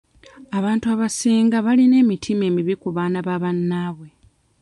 Abantu abasinga balina emitima emibi ku baana ba bannaabwe.